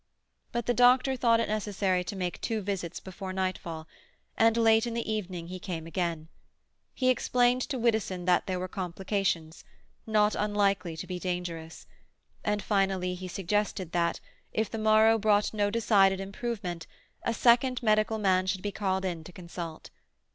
But the doctor thought it necessary to make two visits before nightfall, and late in the evening he came again. He explained to Widdowson that there were complications, not unlikely to be dangerous, and finally he suggested that, if the morrow brought no decided improvement, a second medical man should be called in to consult.